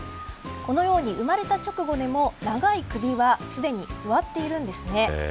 このように生まれた直後でも長い首はすでに座っているんですね。